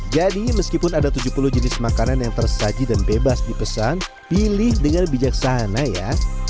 jenis makanan yang tersaji dan bebas dipesan pilih dengan bijaksana ya